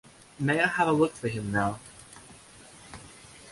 May I have a look for him now?